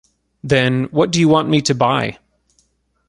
Then, what do you want me to buy?